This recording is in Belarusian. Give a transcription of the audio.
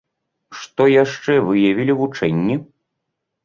Што яшчэ выявілі вучэнні?